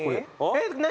えっ何？